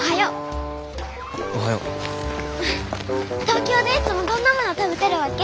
東京でいつもどんなもの食べてるわけ？